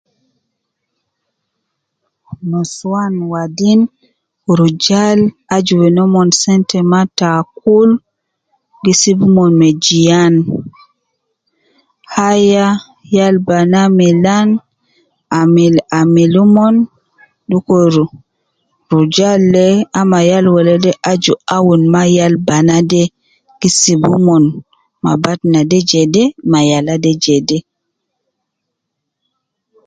Nuswan wadin rujal aju wen naumon maa sente ta akul gi sibi umon ma jiyan. Haya yal banaa milaan amil amili umon dukuru rujal de ama yal wele de aju awunu maa yal banaa de gi sibu umon jede ma yal de jede.